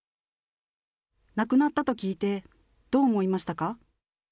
亡くなったと聞いて、どう思いましたか？